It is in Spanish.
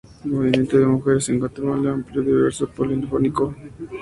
El movimiento de mujeres en Guatemala: amplio, diverso, polifónico.